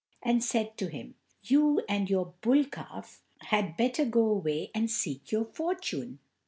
and said to him: "You and your bull calf had better go away and seek your fortune."